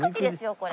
これ。